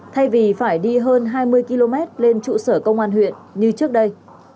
thay vì phải đi hơn hai mươi km lên trụ sở công an huyện như trước đây